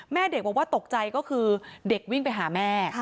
แม่เด็กบอกว่าตกใจก็คือเด็กวิ่งไปหาแม่